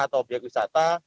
atau obyek wisata